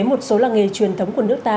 một số làng nghề truyền thống của nước ta